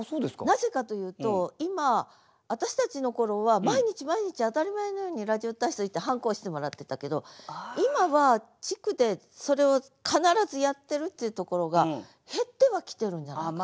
なぜかというと今私たちの頃は毎日毎日当たり前のようにラジオ体操行ってはんこ押してもらってたけど今は地区でそれを必ずやってるっていうところが減ってはきてるんじゃないですか。